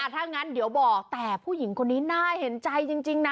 ถ้างั้นเดี๋ยวบอกแต่ผู้หญิงคนนี้น่าเห็นใจจริงนะ